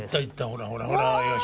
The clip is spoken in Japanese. ほらほらほらよし。